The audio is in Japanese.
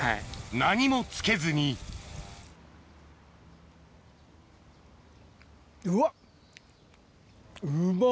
何もつけずにうま！